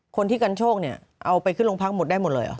คนที่กันโชคเนี่ยเอาไปขึ้นโรงพักหมดได้หมดเลยเหรอ